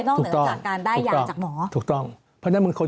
นอกเหนือจากการได้ยาจากหมอถูกต้องถูกต้อง